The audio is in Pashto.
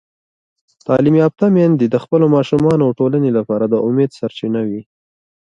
تعلیم یافته میندې د خپلو ماشومانو او ټولنې لپاره د امید سرچینه وي.